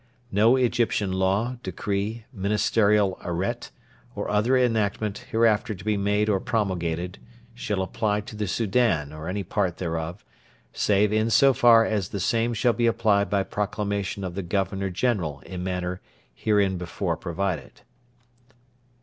No Egyptian Law, Decree, Ministerial Arrete, or other enactment hereafter to be made or promulgated shall apply to the Soudan or any part thereof, save in so far as the same shall be applied by Proclamation of the Governor General in manner hereinbefore provided.